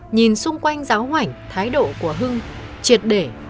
nhìn xung quanh ráo hoảnh thái độ của hưng triệt để